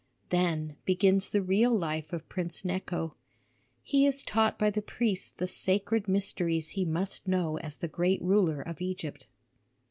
"Then begins the real life of Prince Necho. He is taught by the priests the sacred mysteries he must know as the great ruler of Egypt.